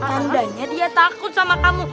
tandanya dia takut sama kamu